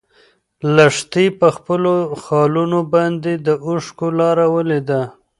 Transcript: لښتې په خپلو خالونو باندې د اوښکو لاره ولیده.